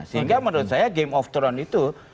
sehingga menurut saya game of throne itu